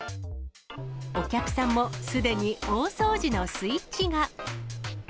お客さんもすでに大掃除のスイッチが。